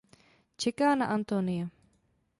Čeká na Antonia.